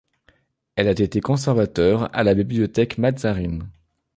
Elle a été conservateur à la bibliothèque Mazarine.